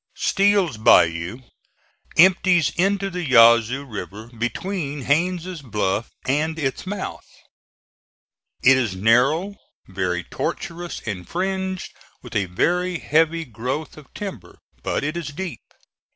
Steel's Bayou empties into the Yazoo River between Haines' Bluff and its mouth. It is narrow, very tortuous, and fringed with a very heavy growth of timber, but it is deep.